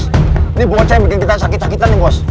ini bocah yang bikin kita sakit sakitan nih bos